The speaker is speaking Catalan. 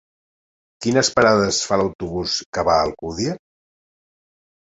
Quines parades fa l'autobús que va a Alcúdia?